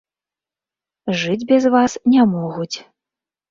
Жыць без вас не могуць.